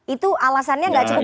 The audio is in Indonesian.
itu alasannya gak cukup kuat ya